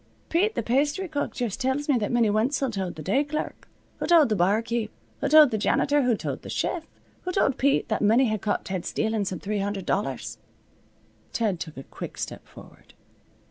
"Pete th' pasthry cook just tells me that Minnie Wenzel told th' day clerk, who told the barkeep, who told th' janitor, who told th' chef, who told Pete, that Minnie had caught Ted stealin' some three hundred dollars." Ted took a quick step forward.